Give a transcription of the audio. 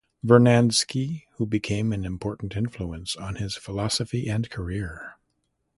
Vernadsky, who became an important influence on his philosophy and career.